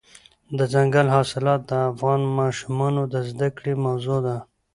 دځنګل حاصلات د افغان ماشومانو د زده کړې موضوع ده.